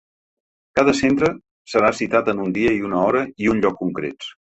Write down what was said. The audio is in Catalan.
Cada centre serà citat en un dia i una hora i un lloc concrets.